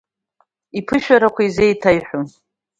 Иԥышәарақәа изеиҭеиҳәон.